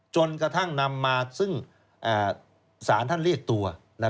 จนกระทั่งนำมาซึ่งศาลท่านเรียกตัว